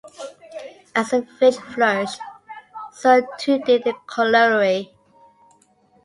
As the village flourished, so too did the colliery.